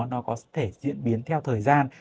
nó có thể diễn biến theo thời gian